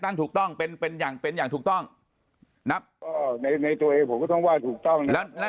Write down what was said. ตั้งถูกต้องเป็นเป็นอย่างเป็นอย่างถูกต้องนะในตัวเองผมก็